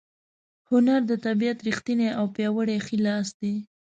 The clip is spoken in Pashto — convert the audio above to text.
هنر د طبیعت ریښتینی او پیاوړی ښی لاس دی.